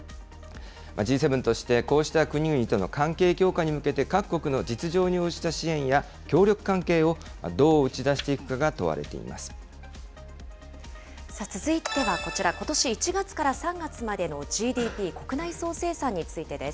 Ｇ７としてこうした国々との関係強化に向けて各国の実情に応じた支援や協力関係をどう打ち出して続いてはこちら、ことし１月から３月までのＧＤＰ・国内総生産についてです。